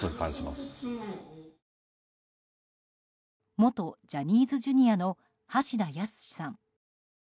元ジャニーズＪｒ．の橋田康さん。